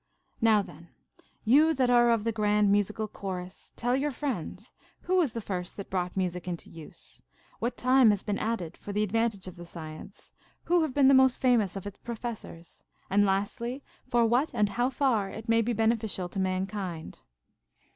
* Now then, you that are of the grand musical chorus, tell your friends, who was the first that brought music into use ; Avhat time has added for the advantage of the science ; who have been the most famous of its professors ; and lastly, for what and how far it may be beneficial to mankind.